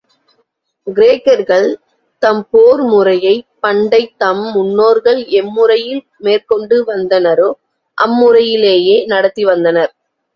கிரேக்கர்கள் தம்போர் முறையைப் பண்டைத் தம் முன்னோர் எம்முறையில் மேற்கொண்டு வந்தனரோ, அம்முறையிலேயே நடத்தி வந்தனர்.